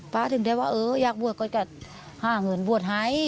ถึงได้ว่าเอออยากบวชก็จะหาเงินบวชให้